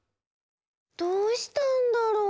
どうしたんだろう？